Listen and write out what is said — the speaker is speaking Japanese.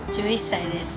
１１歳です。